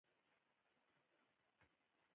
هغه د سپین ژوند پر مهال د مینې خبرې وکړې.